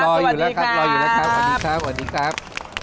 รออยู่แล้วครับรออยู่แล้วครับสวัสดีครับสวัสดีครับ